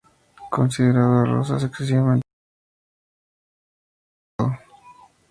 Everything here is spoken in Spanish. Considerando a Rosas excesivamente intransigente, pensaron en derrocarlo.